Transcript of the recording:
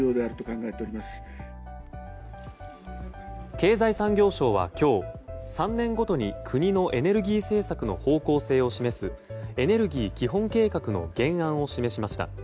経済産業省は今日３年ごとに国のエネルギー政策の方向性を示すエネルギー基本計画の原案を示しました。